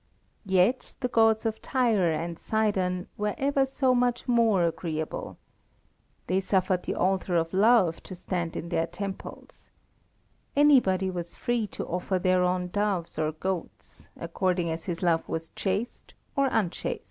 Yet the gods of Tyre and Sidon were ever so much more agreeable. They suffered the altar of Love to stand in their temples. Anybody was free to offer thereon doves or goats, according as his love was chaste or unchaste.